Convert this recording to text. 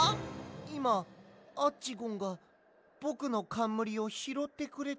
いまアッチゴンがぼくのかんむりをひろってくれたんだ。